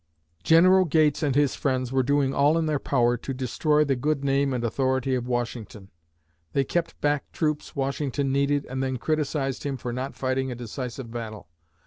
General Gates and his friends were doing all in their power to destroy the good name and the authority of Washington. They kept back troops Washington needed and then criticized him for not fighting a decisive battle.